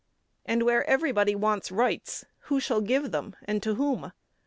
And, where everybody wants rights, who shall give them and to whom?